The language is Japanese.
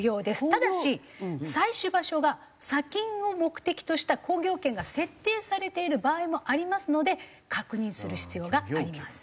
ただし採取場所が砂金を目的とした鉱業権が設定されている場合もありますので確認する必要があります。